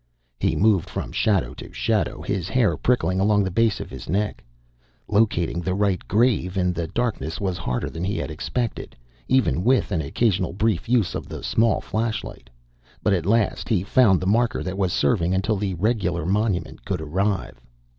He moved from shadow to shadow, his hair prickling along the base of his neck. Locating the right grave in the darkness was harder than he had expected, even with an occasional brief use of the small flashlight. But at last he found the marker that was serving until the regular monument could arrive.